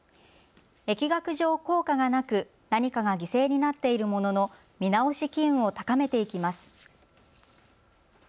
疫学上効果がなく、何かが犠牲になっているものの見直し機運を高めていきます。